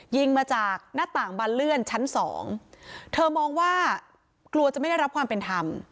ยิงมาจากหน้าต่างบานเลื่อนชั้นสองเธอมองว่ากลัวจะไม่ได้รับความเป็นธรรม